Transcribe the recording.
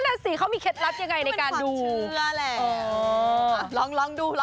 นั่นแหละสิเขามีเคล็ดลัดยังไงในการดูมันเป็นความเชื่อแหละ